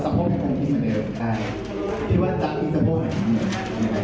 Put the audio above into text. สุดท้ายก็ไม่มีเวลาที่จะรักกับที่อยู่ในภูมิหน้า